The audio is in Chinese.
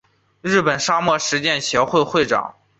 日本沙漠实践协会会长。